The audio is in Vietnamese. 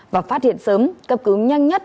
và phát hiện sớm cấp cứu nhanh nhất